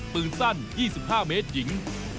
ปืนสั้น๒๕เมตรหญิง